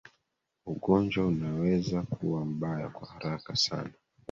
ugonjwa unaweza kuwa mbaya kwa haraka sana